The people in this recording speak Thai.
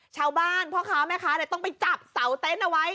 พ่อค้าแม่ค้าต้องไปจับเสาเต็นต์เอาไว้